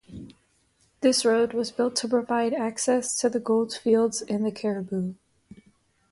This road was built to provide access to the gold fields in the Cariboo.